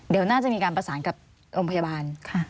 เดี๋ยวน่าจะมีการประสานกับโรงพยาบาล